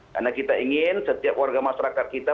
karena kita ingin setiap warga masyarakat kita